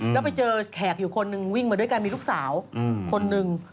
แล้วไปเจอแขกอยู่คนนึงวิ่งมาด้วยกันมีลูกสาวคนนึง